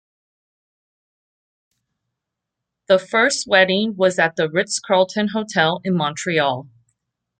Their first wedding was at the Ritz-Carlton Hotel in Montreal.